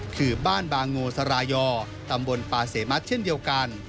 คือบ้านบางโงสรายอตำบลปาเสมัติเช่นเดียวกัน